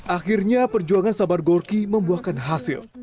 akhirnya perjuangan sabar gorki membuahkan hasil